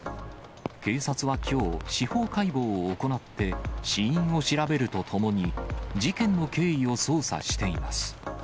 警察はきょう、司法解剖を行って、死因を調べるとともに、事件の経緯を捜査しています。